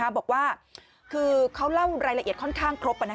บอกว่าคือเขาเล่ารายละเอียดค่อนข้างครบ